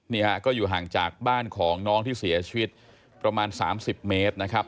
นี่ฮะก็อยู่ห่างจากบ้านของน้องที่เสียชีวิตประมาณ๓๐เมตรนะครับ